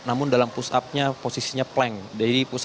namun dalam push upnya posisinya plank